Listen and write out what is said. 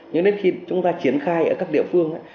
nhưng đến khi chúng ta triển khai ở các địa phương ấy